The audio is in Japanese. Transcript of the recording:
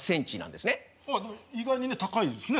でも意外にね高いですね。